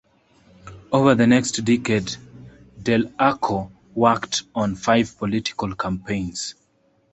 Over the next decade, Del Arco worked on five political campaigns.